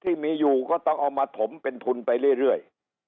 ที่มีอยู่ก็ต้องเอามาถมเป็นทุนไปเรื่อย